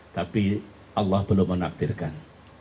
tapi allah belum menaktirkan